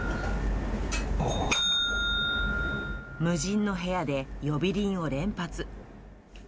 無人の部屋で、呼び鈴を連発。